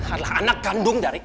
adalah anak kandung dari